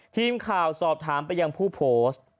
ทีมข่าวสอบถามไปยังผู้โพสต์